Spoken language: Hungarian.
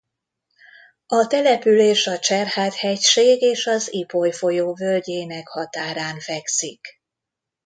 A település a Cserhát hegység és az Ipoly folyó völgyének határán fekszik.